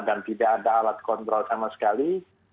dan tidak ada alat kontrol sama sekali